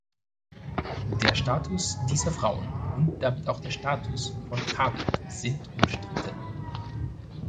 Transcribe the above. Der Status dieser Frauen und damit auch der Status von Kawit sind umstritten.